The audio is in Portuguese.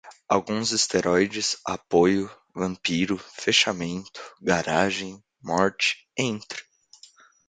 alguns, esteróides, apoio, vampiro, fechamento, garagem, morte, entre